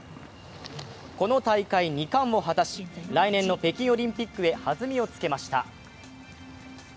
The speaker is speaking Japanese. この大会２冠も果たし、来年の北京オリンピックへ、はずみをつけました。